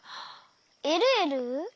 えるえる！